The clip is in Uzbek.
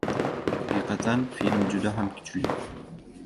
Haqiqatan film juda ham kuchli.